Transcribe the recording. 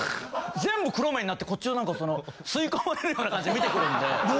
全部黒目になってこっちをなんかその吸い込まれるような感じで見てくるんで。